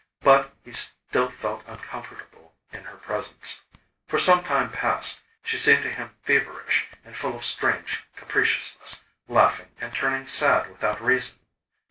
But he still felt uncomfortable in her presence. For some time past, she seemed to him feverish, and full of strange capriciousness, laughing and turning sad without reason.